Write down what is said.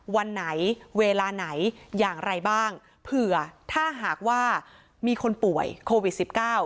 วันไหนเวลาไหนอย่างไรบ้างเผื่อถ้าหากว่ามีคนป่วยโควิดสิบเก้า